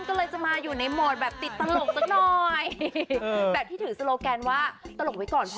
เขาก็มีเหมือนกันเด้อ